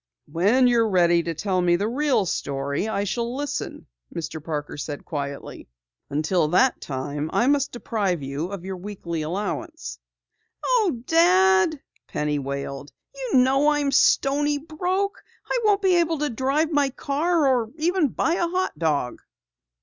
"When you're ready to tell me the real story, I shall listen," Mr. Parker said quietly. "Until that time, I must deprive you of your weekly allowance." "Oh, Dad!" Penny wailed. "You know I'm stony broke! I won't be able to drive my car or even buy a hot dog!"